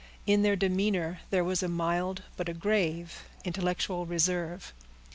In their demeanor there was a mild, but a grave, intellectual reserve.